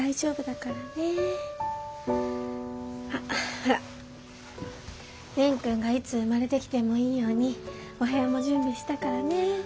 ほら蓮くんがいつ生まれてきてもいいようにお部屋も準備したからね。